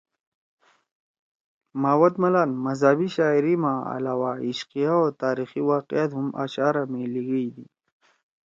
ماوت ملان مذہبی شاعری ما علاوہ عشقیہ او تاریخی واقعات ہُم اشعارا می لیِگیِدی۔